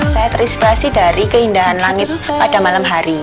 saya terinspirasi dari keindahan langit pada malam hari